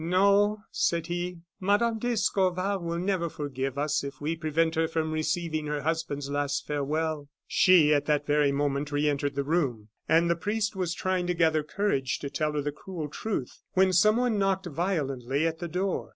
"No," said he; "Madame d'Escorval will never forgive us if we prevent her from receiving her husband's last farewell." She, at that very moment, re entered the room, and the priest was trying to gather courage to tell her the cruel truth, when someone knocked violently at the door.